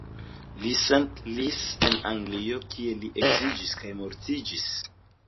Li setlis en Anglio, kie li edziĝis kaj mortiĝis.